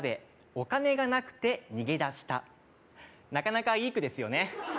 なかなかいい句ですよね。